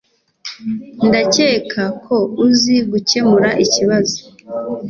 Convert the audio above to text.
Ndakeka ko uzi gukemura ikibazo